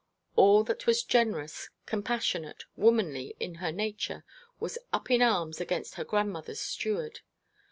All that was generous, compassionate, womanly in her nature was up in arms against her grandmother's steward.